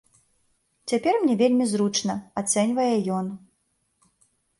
Цяпер мне вельмі зручна, ацэньвае ён.